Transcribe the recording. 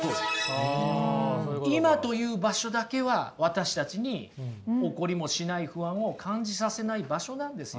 今という場所だけは私たちに起こりもしない不安を感じさせない場所なんですよ。